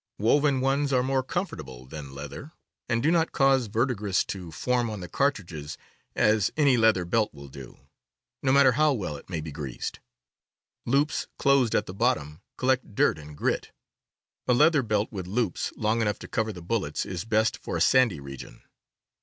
Woven ones are more com fortable than leather, and do not cause verdigris to form on the cartridges as any leather belt will do, no matter how well it may be greased. Loops closed at the bottom collect dirt and grit. A leather belt with loops long enough to cover the bullets is best for a sandy region.